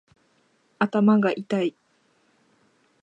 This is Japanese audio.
頭がいたい